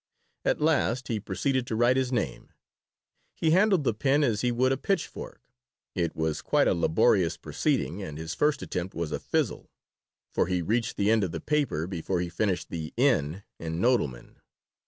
At last he proceeded to write his name. He handled the pen as he would a pitchfork. It was quite a laborious proceeding, and his first attempt was a fizzle, for he reached the end of the paper before he finished the "in" in Nodelman.